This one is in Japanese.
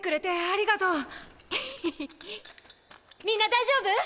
みんな大丈夫？